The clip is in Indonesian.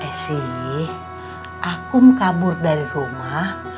esi aku mengkabur dari rumah